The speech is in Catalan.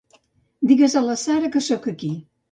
Digues a la Sara que soc aquí.